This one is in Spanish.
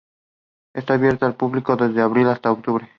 Está abierta al público desde abril hasta octubre.